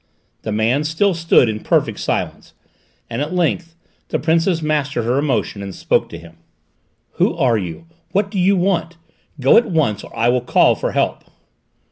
The man still stood in perfect silence, and at length the Princess mastered her emotion and spoke to him. "Who are you? What do you want? Go at once or I will call for help."